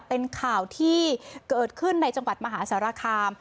เป็นข่าวที่เกิดขึ้นในจังหวัดมหาสารคาม